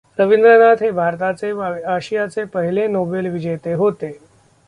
रवींद्रनाथ हे भारताचे व आशियाचे पहिले नोबेलविजेते होते.